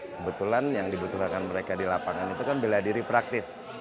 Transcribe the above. kebetulan yang dibutuhkan mereka di lapangan itu kan bela diri praktis